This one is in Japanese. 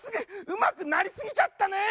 うまくなりすぎちゃったね！